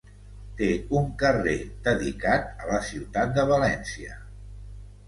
Té un carrer dedicat a la Ciutat de València.